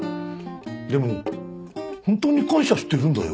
でもホントに感謝してるんだよ。